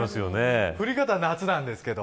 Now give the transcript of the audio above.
降り方は夏なんですけど。